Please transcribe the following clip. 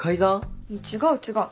違う違う。